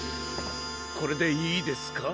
これでいいですか？